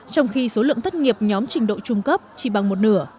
trong khi số lượng thất nghiệp nhóm trình độ trung cấp chỉ bằng một nửa